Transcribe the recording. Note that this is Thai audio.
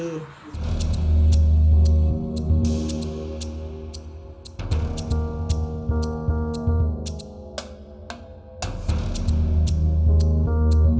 โปรดติดตามตอนต่อไป